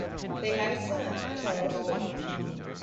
They had a son, Charles John.